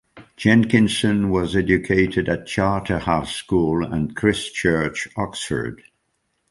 Jenkinson was educated at Charterhouse School and Christ Church, Oxford.